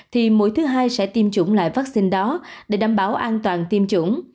thì mũi thứ hai sẽ tiêm chủng loại vaccine đó để đảm bảo an toàn tiêm chủng